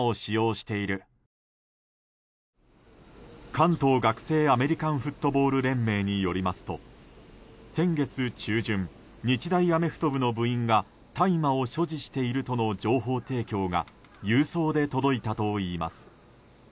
関東学生アメリカンフットボール連盟によりますと先月中旬日大アメフト部の部員が大麻を所持しているとの情報提供が郵送で届いたといいます。